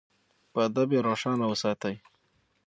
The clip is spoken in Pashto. په ادب یې روښانه وساتئ.